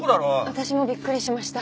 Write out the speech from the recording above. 私もびっくりしました。